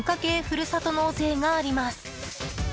ふるさと納税があります。